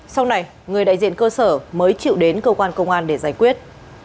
sau này người đại diện cơ sở mới chịu đến cơ quan công an để giải quyết